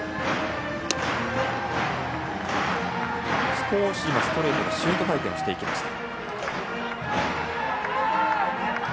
少しストレートがシュート回転をしていました。